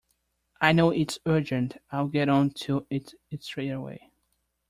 I know it's urgent; I’ll get on to it straight away